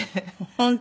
本当。